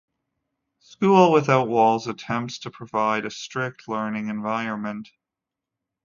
School Without Walls attempts to provide a strict learning environment.